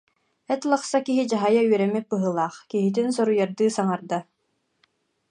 эт лахса киһи дьаһайа үөрэммит быһыылаах, киһитин соруйардыы саҥарда